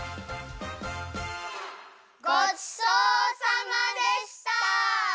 ごちそうさまでした！